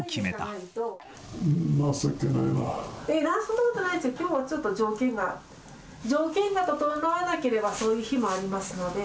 そんなことないですよ、きょうはちょっと条件が、条件が整わなければそういう日もありま